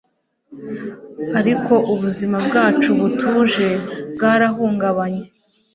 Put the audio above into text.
ariko ubuzima bwacu butuje bwarahungabanye